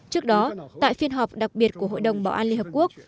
trước đó tại phiên họp đặc biệt của hội đồng bảo an liên hợp quốc